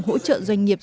hỗ trợ doanh nghiệp